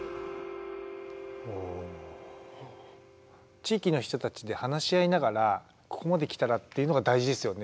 地域の人たちで話し合いながら「ここまで来たら」っていうのが大事ですよね。